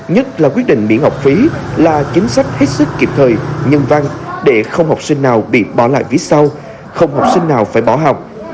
nhất là quyết định miễn học phí là chính sách hết sức kịp thời nhân văn để không học sinh nào bị bỏ lại phía sau không học sinh nào phải bỏ học